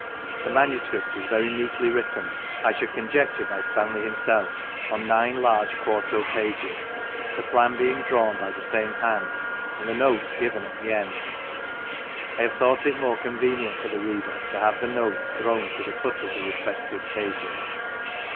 The manu script is very neatly written (I should conjecture by Stanley himself) on nine large quarto pagies, the plan being drawn by the same hand, and the notes given at the end. I have thought it more convenient for th^ reader to have the notes thrown to the foot of the respective pages.